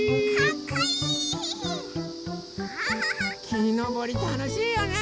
きのぼりたのしいよね！